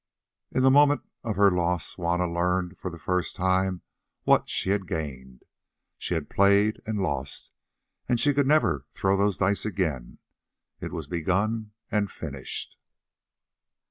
In the moment of her loss Juanna learned for the first time what she had gained. She had played and lost, and she could never throw those dice again; it was begun and finished.